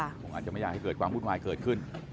คงอาจจะไม่อยากให้เกิดความวุ่นวายเกิดขึ้น